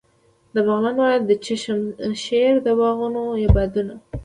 د بغلان ولایت د چشم شیر د باغونو بادونه.